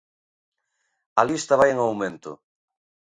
A lista vai en aumento.